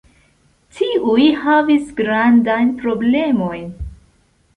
Tiuj havis grandajn problemojn.